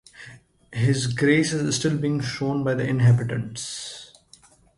His grave is still being shown by the inhabitants.